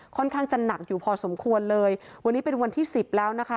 ค่อนข้างจะหนักอยู่พอสมควรเลยวันนี้เป็นวันที่สิบแล้วนะคะ